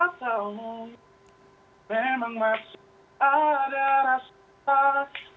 saya memang masih ada rasa